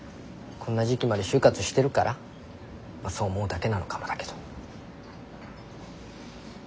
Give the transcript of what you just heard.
こんな時期まで就活してるからまあそう思うだけなのかもだけど。